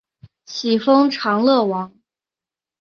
徙封长乐王。